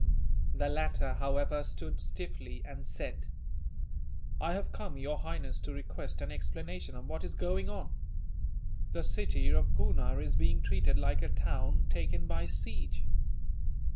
The latter, however, stood stiffly, and said: "I have come, Your Highness, to request an explanation of what is going on. The city of Poona is being treated like a town taken by siege.